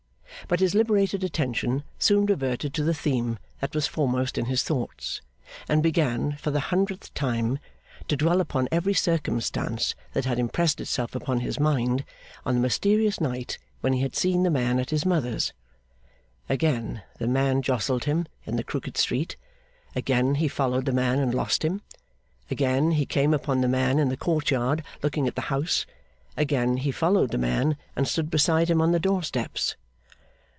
But his liberated attention soon reverted to the theme that was foremost in his thoughts, and began, for the hundredth time, to dwell upon every circumstance that had impressed itself upon his mind on the mysterious night when he had seen the man at his mother's. Again the man jostled him in the crooked street, again he followed the man and lost him, again he came upon the man in the court yard looking at the house, again he followed the man and stood beside him on the door steps.